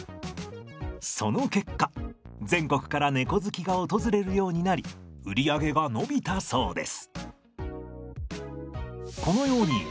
その結果全国から猫好きが訪れるようになり売り上げが伸びたそうです。